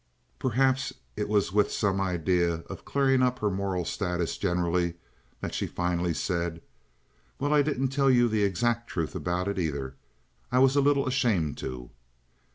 Perhaps it was with some idea of clearing up her moral status generally that she finally said: "Well, I didn't tell you the exact truth about it, either. I was a little ashamed to."